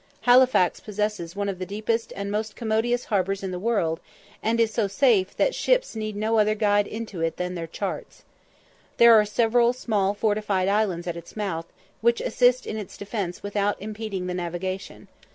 Halifax possesses one of the deepest and most commodious harbours in the world, and is so safe that ships need no other guide into it than their charts. There are several small fortified islands at its mouth, which assist in its defence without impeding the navigation.